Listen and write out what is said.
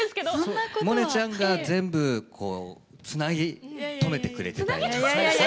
萌音ちゃんが全部こうつなぎ止めてくれてたり。